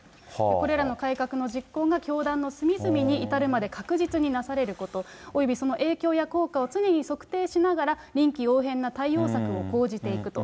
これらの改革の実行が教団の隅々に至るまで確実になされること、およびその影響や効果を常に測定しながら、臨機応変な対応策を講じていくと。